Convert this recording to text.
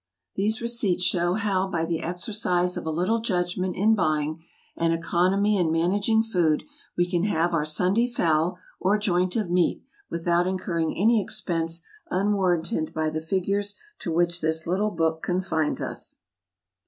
These receipts show how by the exercise of a little judgment in buying, and economy in managing food, we can have our Sunday fowl, or joint of meat, without incurring any expense unwarranted by the figures to which this little book confines us.